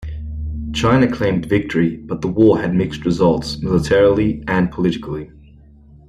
China claimed victory, but the war had mixed results militarily and politically.